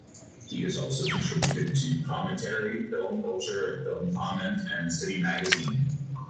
He has also contributed to "Commentary", "Film Culture", "Film Comment", and "City Magazine".